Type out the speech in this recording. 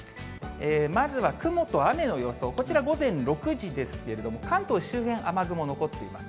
まずは雲と雨の予想、こちら午前６時ですけど、関東周辺、雨雲残っています。